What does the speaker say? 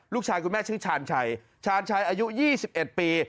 คุณแม่ชื่อชาญชัยชาญชัยอายุ๒๑ปี